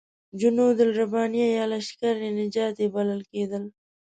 جنودالربانیه یا لشکر نجات یې بلل کېدل.